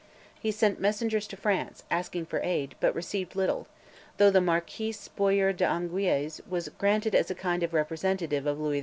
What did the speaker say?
He sent messengers to France, asking for aid, but received little, though the Marquis Boyer d'Eguilles was granted as a kind of representative of Louis XV.